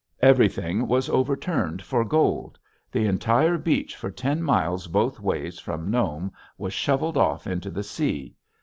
Everything was overturned for gold, the entire beach for ten miles both ways from Nome was shoveled off into the sea.